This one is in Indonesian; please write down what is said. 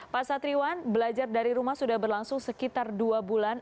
pak satriwan belajar dari rumah sudah berlangsung sekitar dua bulan